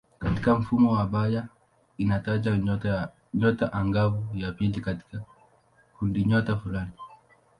Katika mfumo wa Bayer inataja nyota angavu ya pili katika kundinyota fulani.